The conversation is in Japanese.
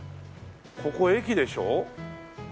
ここ駅でしょ？